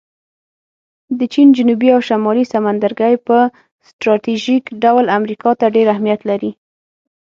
د چین جنوبي او شمالي سمندرګی په سټراټیژیک ډول امریکا ته ډېر اهمیت لري